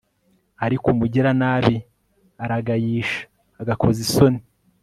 ariko umugiranabi aragayisha, agakoza isoni